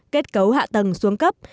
kết cấu hạ tầng xuống cấp